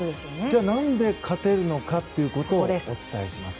じゃあ、何で勝てるのかということをお伝えします。